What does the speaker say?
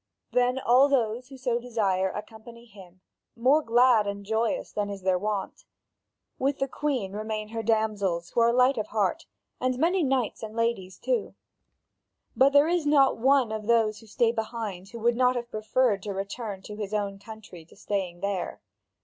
Then all those, who so desire, accompany him, more glad and joyous than is their wont. With the Queen remain her damsels who are light of heart, and many knights and ladies too. But there is not one of those who stay behind, who would not have preferred to return to his own country to staying there.